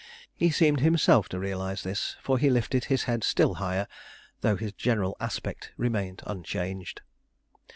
He seemed himself to realize this, for he lifted his head still higher, though his general aspect remained unchanged.